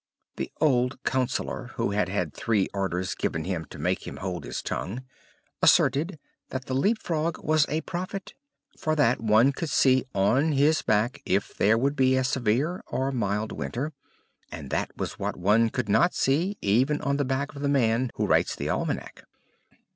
The old councillor, who had had three orders given him to make him hold his tongue, asserted that the Leap frog was a prophet; for that one could see on his back, if there would be a severe or mild winter, and that was what one could not see even on the back of the man who writes the almanac.